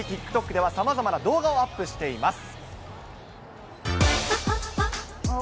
ＴｉｋＴｏｋではさまざまな動画をアップしています。